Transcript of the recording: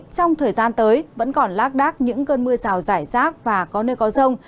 trong thời gian tới vẫn còn lác đác những cơn mưa rào rải rác và có nơi có rông